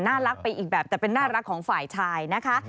น่ารักไปอีกแบบแต่เป็นน่ารักของฝ่ายชายนะคะ